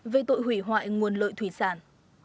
kỳ hoại nguồn lợi thủy sản